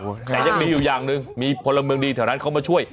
แต่ยังดีอยู่อย่างหนึ่งมีพลเมืองดีแถวนั้นเขามาช่วย